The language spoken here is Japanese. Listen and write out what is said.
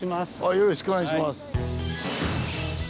よろしくお願いします。